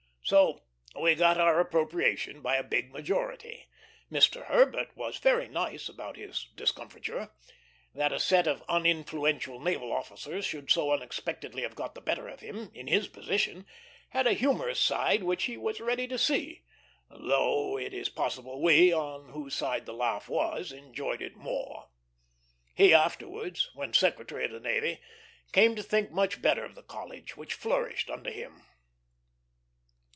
So we got our appropriation by a big majority. Mr. Herbert was very nice about his discomfiture. That a set of uninfluential naval officers should so unexpectedly have got the better of him, in his position, had a humorous side which he was ready to see; though it is possible we, on whose side the laugh was, enjoyed it more. He afterwards, when Secretary of the Navy, came to think much better of the College, which flourished under him.